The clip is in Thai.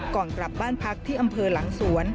ก่อนกลับบ้านพักที่อำเภอหลังสวน